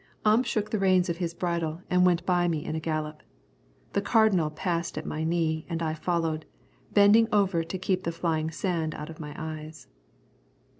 Ump shook the reins of his bridle and went by me in a gallop. The Cardinal passed at my knee, and I followed, bending over to keep the flying sand out of my eyes.